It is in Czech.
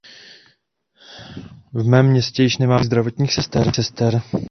V mém městě již nemáme dostatek zdravotních sester.